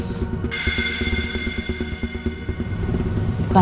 belajar untuk ikhlas